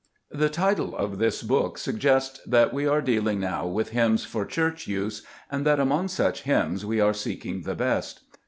The title of this book suggests that we are dealing now with hymns for Church use, and that among such hymns we are seeking the best.